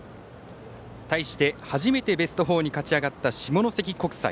対して、初めてベスト４に勝ち上がった下関国際。